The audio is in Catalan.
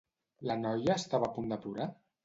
La noia estava a punt de plorar?